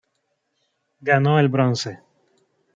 Ganó el bronce.